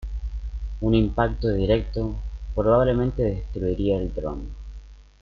Un impacto directo probablemente destruiría el dron.